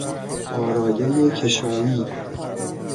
آرایهی کشایی